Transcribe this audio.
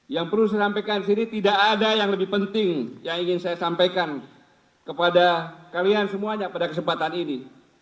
yang perlu saya sampaikan di sini tidak ada yang lebih penting yang ingin saya sampaikan kepada kalian semuanya pada kesempatan ini